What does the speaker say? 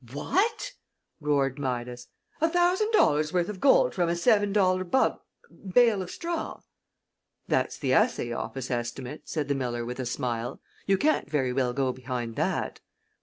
"What?" roared Midas. "A thousand dollars' worth of gold from a seven dollar bub bale of straw?" "That's the assay office estimate," said the miller, with a smile. "You can't very well go behind that."